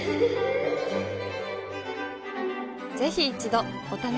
ぜひ一度お試しを。